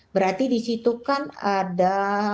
berarti disitu kan ada